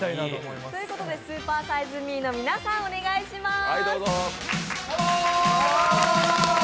ということでスーパーサイズ・ミーの皆さん、お願いします。